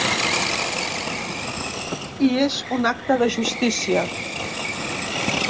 I és un acte de justícia.